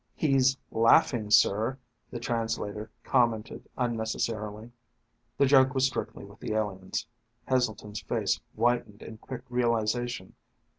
"He's laughing, sir." The translator commented unnecessarily. The joke was strictly with the aliens. Heselton's face whitened in quick realization.